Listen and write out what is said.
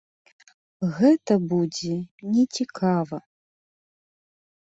Гэта будзе не цікава.